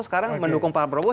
sekarang mendukung pak prabowo